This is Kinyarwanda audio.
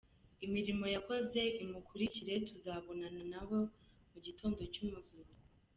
Imirimo yakoze imukurikire, tuzabonana na we mu gitondo cy’umuzuko.